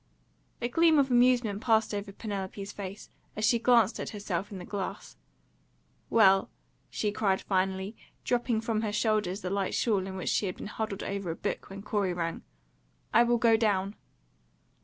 A gleam of amusement passed over Penelope's face, as she glanced at herself in the glass. "Well," she cried finally, dropping from her shoulders the light shawl in which she had been huddled over a book when Corey rang, "I will go down."